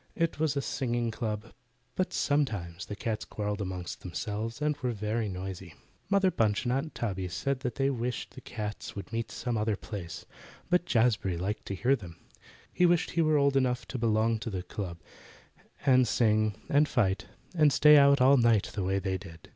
It was a singing club, but sometimes the cats quarrelled among themselves, and were very noisy. Mother Bunch and Aunt Tabby said they wished the cats would meet some other place; but Jazbury liked to hear them. He wished he were old enough to belong to the club, and sing and fight, and stay out all night the way they did.